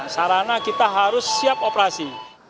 sarana kita harus siap operasi